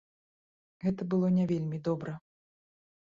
Гэта было не вельмі добра.